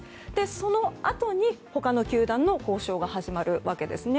そのあとに、他の球団の交渉が始まるわけですね。